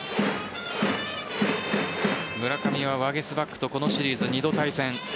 村上はワゲスパックとこのシリーズ２度対戦。